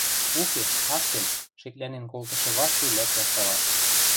– Уке, ак кел... – шеклӓнен колтышы Васли лӓктӓш талаша.